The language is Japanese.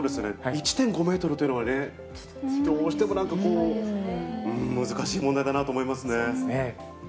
１．５メートルというのはね、どうしてもなんかこう、難しい問そうですね。